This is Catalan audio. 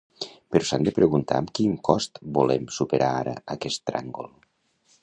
Però s’han de preguntar amb quin cost volem superar ara aquest tràngol.